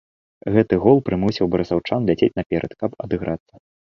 Гэты гол прымусіў барысаўчан ляцець наперад, каб адыграцца.